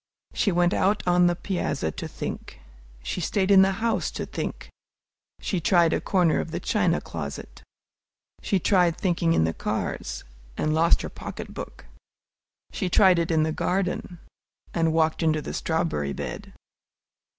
She went out on the piazza to think; she stayed in the house to think. She tried a corner of the china closet. She tried thinking in the cars, and lost her pocket book; she tried it in the garden, and walked into the strawberry bed.